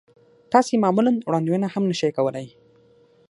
تاسې يې معمولاً وړاندوينه هم نه شئ کولای.